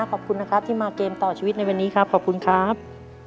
ขอบคุณนะครับที่มาเกมต่อชีวิตในวันนี้ครับขอบคุณครับ